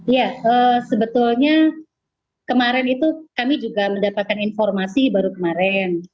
ya sebetulnya kemarin itu kami juga mendapatkan informasi baru kemarin